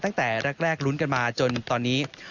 ตั้งแต่แรกรุ้นกันมาจนตอนนี้